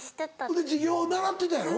ほんで授業習ってたやろ？